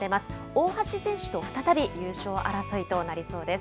大橋選手と再び優勝争いとなりそうです。